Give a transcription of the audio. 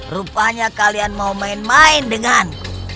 rupanya kalian mau main main dengan